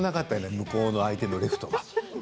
向こうの相手のレフトが。